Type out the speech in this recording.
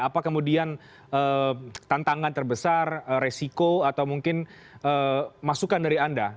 apa kemudian tantangan terbesar resiko atau mungkin masukan dari anda